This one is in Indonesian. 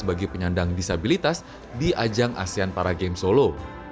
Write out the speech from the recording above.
sebagai penyandang disabilitas di ajang asean para game solo